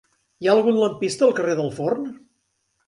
Hi ha algun lampista al carrer del Forn?